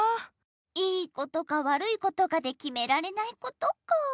いいことかわるいことかできめられないことか。